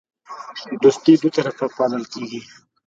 دوستي دوطرفه پالل کیږي